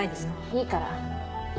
いいから。